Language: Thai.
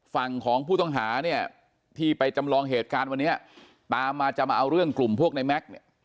ฝั่งของผู้ต้องหาเนี่ยที่ไปจำลองเหตุการณ์วันนี้ตามมาจะมาเอาเรื่องกลุ่มพวกในแม็กซ์เนี่ย